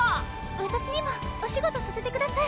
私にもお仕事させてください。